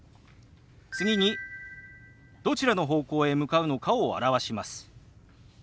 次にどちらの方向へ向かうのかを表します。